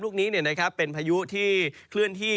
ลูกนี้เนี่ยนะครับเป็นพายุที่เคลื่อนที่